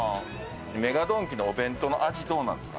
ＭＥＧＡドンキのお弁当の味どうなんすか？